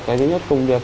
cái nhất công việc